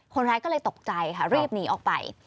คนร้ายก็เลยตกใจค่ะรีบหนีออกไป